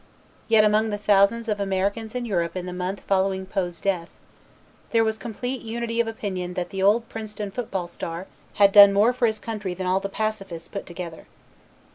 Yet among the thousands of Americans in Europe in the month following Poe's death, there was complete unity of opinion that the old Princeton football star had done more for his country than all the pacifists put together.